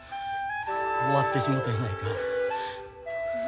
終わってしもたやないか。